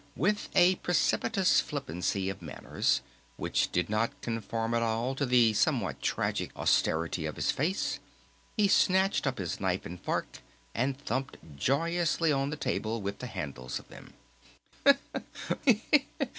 With a precipitous flippancy of manners which did not conform at all to the somewhat tragic austerity of his face he snatched up his knife and fork and thumped joyously on the table with the handles of them.